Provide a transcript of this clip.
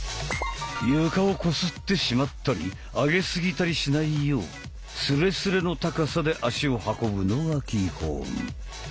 床をこすってしまったり上げすぎたりしないようスレスレの高さで足を運ぶのが基本。